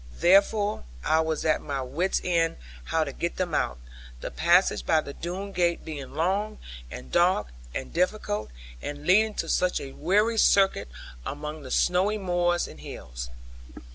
Therefore I was at my wit's end how to get them out; the passage by the Doone gate being long, and dark, and difficult, and leading to such a weary circuit among the snowy moors and hills.